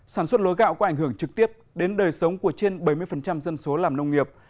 sản xuất lúa gạo có ảnh hưởng trực tiếp đến đời sống của trên bảy mươi dân số làm nông nghiệp